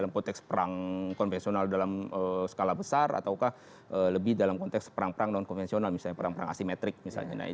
dalam konteks perang konvensional dalam skala besar ataukah lebih dalam konteks perang perang non konvensional misalnya perang perang asimetrik misalnya